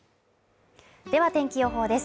では天気予報です。